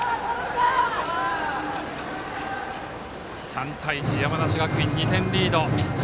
３対１、山梨学院２点リード。